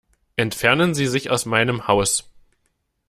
Entfernen Sie sich aus meinem Haus.